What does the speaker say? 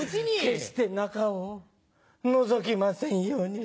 決して中をのぞきませんように。